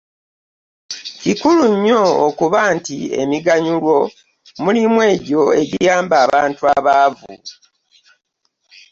Kikulu nnyo okuba nti emiganyulo mulimu egyo egiyamba abantu abaavu.